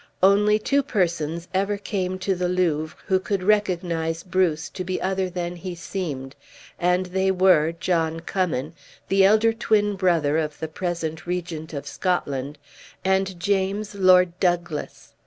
Only two persons ever came to the Louvre who could recognize Bruce to be other than he seemed, and they were, John Cummin, the elder twin brother of the present Regent of Scotland, and James Lord Douglas.